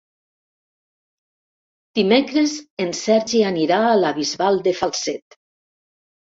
Dimecres en Sergi anirà a la Bisbal de Falset.